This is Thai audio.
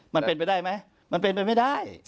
มันเป็นไปได้ไหมมันเป็นไปไม่ได้